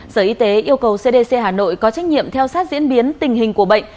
sở y tế yêu cầu cdc hà nội có trách nhiệm theo sát diễn biến tình hình của bệnh